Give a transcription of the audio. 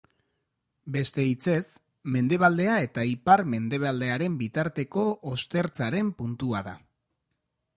Beste hitzez, mendebaldea eta ipar-mendebaldearen bitarteko ostertzaren puntua da.